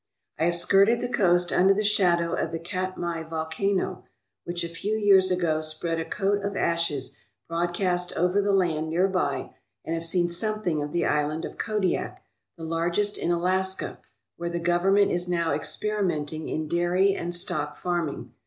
I have skirted the coast under the shadow of the Katmai volcano, which a few years ago spread a coat of ashes broadcast over the land near by, and have seen something of the Island of Kodiak, the largest in Alaska, where the Government is now experimenting in dairy and stock farming.